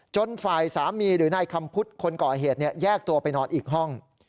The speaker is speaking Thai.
ฝ่ายสามีหรือนายคำพุทธคนก่อเหตุแยกตัวไปนอนอีกห้อง